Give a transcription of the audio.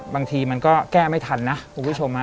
บางทีมันก็แก้ไม่ทันนะคุณผู้ชม